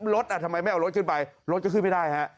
รถทำไมไม่เอารถขึ้นไปรถก็ขึ้นไม่ได้ฮะ